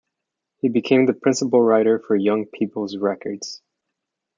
He became the principal writer for Young People's Records.